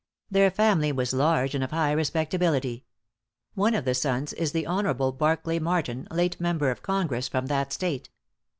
Their family was large and of high respectability. One of the sons is the Hon. Barkly Martin, late member of Congress from that State.